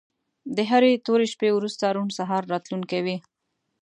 د هرې تورې شپې وروسته روڼ سهار راتلونکی وي.